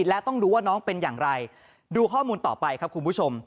และต้องดูว่าน้องเป็นอย่างไรดูข้อมูลต่อไปครับคุณผู้ชม